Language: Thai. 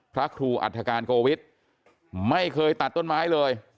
พระครูอัฐการโกวิทย์ไม่เคยตัดต้นไม้เลย